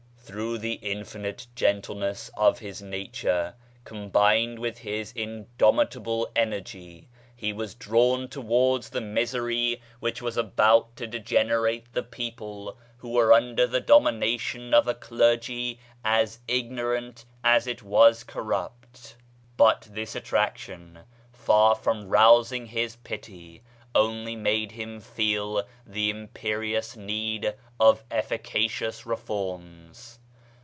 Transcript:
Through the infinite gentleness of his nature, combined with his indomitable energy, he was drawn towards the misery which was about to degenerate the people who were under the domination of a clergy as ignorant as it was corrupt. But this attraction, far from rousing his pity, only made him feel the imperious need of efficacious reforms.